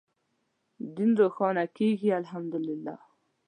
دین روښانه کېږي الحمد لله.